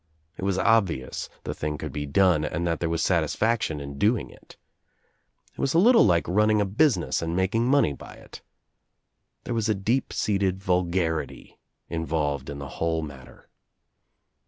It was obviout the thing could be done and that there was satisfaction in doing it. It was a little like running a business and making money by it, There was a deep seated vulgarity involved in the whole matter.